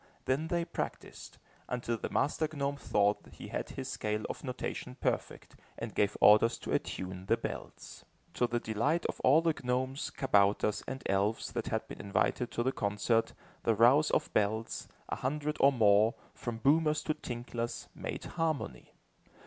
Then they practiced, until the master gnome thought he had his scale of notation perfect and gave orders to attune the bells. To the delight of all the gnomes, kabouters and elves, that had been invited to the concert, the rows of bells, a hundred or more, from boomers to tinklers, made harmony.